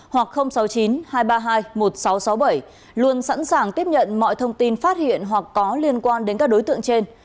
hoặc sáu mươi chín hai trăm ba mươi hai một nghìn sáu trăm sáu mươi bảy luôn sẵn sàng tiếp nhận mọi thông tin phát hiện hoặc có liên quan đến các đối tượng trên